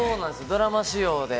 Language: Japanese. ドラマ仕様で。